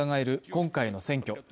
今回の選挙。